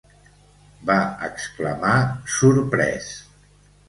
va exclamar, sorprès.